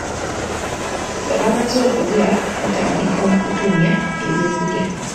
Nga bamaze okulya, baatandika okutumya eby'okulya.